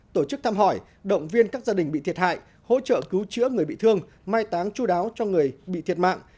tổ chức thăm hỏi động viên các gia đình bị thiệt hại hỗ trợ cứu chữa người bị thương mai táng chú đáo cho người bị thiệt mạng